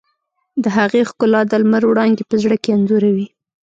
د هغې ښکلا د لمر وړانګې په زړه کې انځوروي.